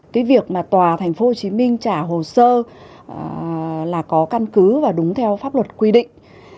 cái việc mà tòa tp hcm trả hồ sơ là có căn cứ và đúng theo pháp luật quy định